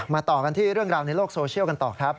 ต่อกันที่เรื่องราวในโลกโซเชียลกันต่อครับ